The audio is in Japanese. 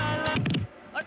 あれ？